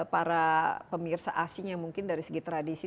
para pemirsa asing yang mungkin dari segi tradisi